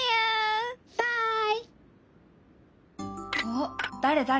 おっ誰誰？